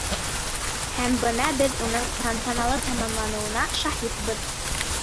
Һәм бына беҙ уның тантаналы тамамланыуына шаһитбыҙ.